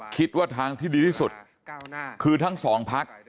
คิดว่าทางที่ดีที่สุดคือทั้งสองพัก